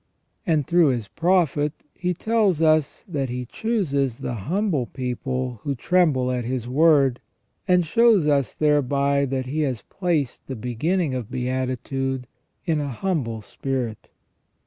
And through His Prophet He tells us that He chooses the humble people who tremble at His word, and shows us thereby that He has placed the beginning of beatitude in an humble spirit.